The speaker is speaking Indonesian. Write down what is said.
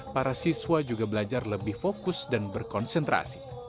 para siswa juga belajar lebih fokus dan berkonsentrasi